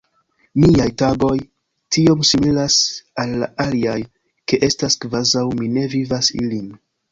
Miaj tagoj tiom similas al la aliaj, ke estas kvazaŭ mi ne vivas ilin.